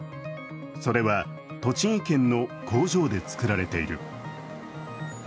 それは栃木県の工場でつくられている。